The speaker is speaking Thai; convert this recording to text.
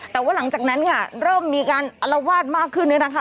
แต่ว่าหลังจากนั้นค่ะเริ่มมีการอลวาดมากขึ้นด้วยนะคะ